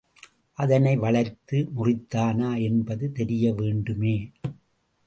அதனை வளைத்து முறித்தானா என்பது தெரியவேண்டுமே!